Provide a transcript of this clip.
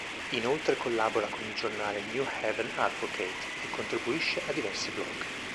Inoltre collabora con il giornale "New Haven Advocate" e contribuisce a diversi blog.